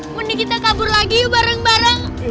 mending kita kabur lagi bareng bareng